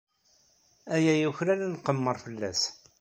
Aya yuklal ad nqemmer fell-as.